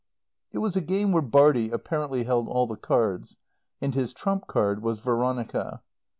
It was a game where Bartie apparently held all the cards. And his trump card was Veronica.